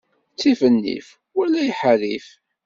Ttif nnif wala iḥerrif.